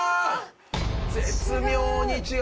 絶妙に違う。